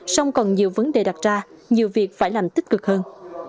song còn nhiều vấn đề đặt ra nhiều việc phải làm tích cực hơn